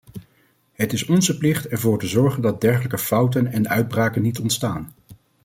Het is onze plicht ervoor te zorgen dat dergelijke fouten en uitbraken niet ontstaan.